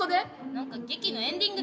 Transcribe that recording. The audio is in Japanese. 何か劇のエンディングで。